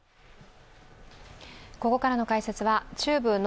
ここからの解説は中部